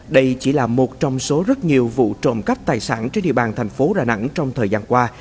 đây chỉ là một trong số rất nhiều vụ trộm cắp tài sản trên địa bàn thành phố đà nẵng trong thời gian qua